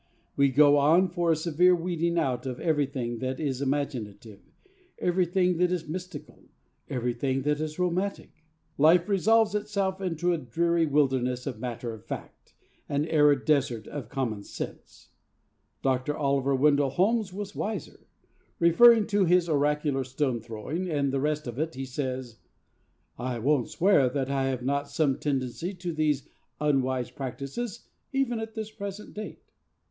We go in for a severe weeding out of everything that is imaginative, everything that is mystical, everything that is romantic. Life resolves itself into a dreary wilderness of matter of fact, an arid desert of common sense. Dr. Oliver Wendell Holmes was wiser. Referring to his oracular stone throwing and the rest of it, he says, 'I won't swear that I have not some tendency to these unwise practices even at this present date.